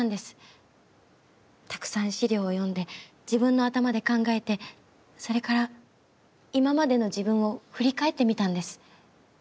たくさん資料を読んで自分の頭で考えてそれから今までの自分を振り返ってみたんです。